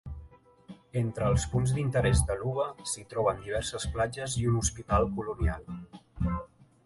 Entre els punts d'interès de Luba s'hi troben diverses platges i un hospital colonial.